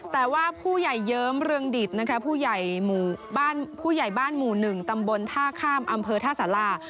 แต่ว่าผู้ใหญ่เยิ้มเรืองดิตนะคะผู้ใหญ่บ้านหมู่๑ตำบลท่าข้ามอำเภอท่าสารา